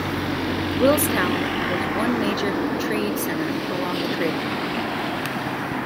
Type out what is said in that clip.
Willstown was one major trade center along the trade path.